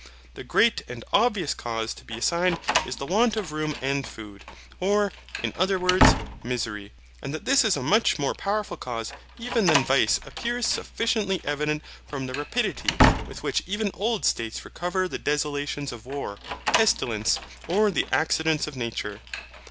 The great and obvious cause to be assigned is the want of room and food, or, in other words, misery, and that this is a much more powerful cause even than vice appears sufficiently evident from the rapidity with which even old states recover the desolations of war, pestilence, or the accidents of nature.